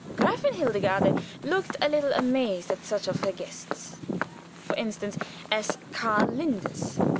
Gräfin Hildegarde looked a little amazed at such of her guests, for instance, as Karl Linders.